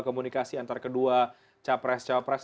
komunikasi antara kedua capres capres